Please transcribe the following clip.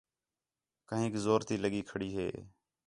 کھنڳ زور تی لڳی کھڑی ہِے